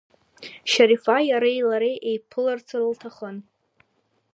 Шьарифа иареи лареи еиԥыларц лҭахын.